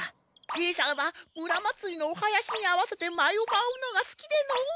じいさんは村祭りのおはやしに合わせてまいをまうのがすきでのう！